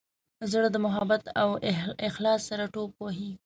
زړه د محبت او اخلاص سره ټوپ وهي.